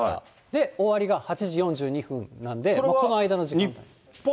で、終わりが８時４２分なんで、この間の時間。